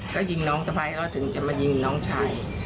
ก็ยิงน้องสะพ้ายแล้วถึงจะมายิงน้องชาย